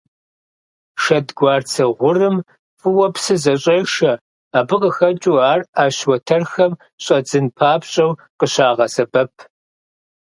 Шэдгуарцэ гъурым фӀыуэ псы зэщӀешэ, абы къыхэкӀыу ар Ӏэщ уэтэрхэм щӀэдзын папщӀэу къыщагъэсэбэп.